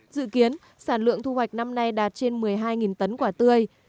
dự kiến sản lượng thu hoạch năm nay đạt trên một mươi hai tấn quả tươi